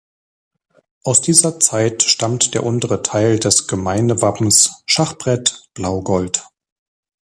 Aus dieser Zeit stammt der untere Teil des Gemeindewappens "Schachbrett Blau-Gold".